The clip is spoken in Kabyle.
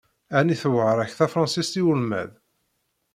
Ɛni tewεeṛ-ak tefransist i ulmad?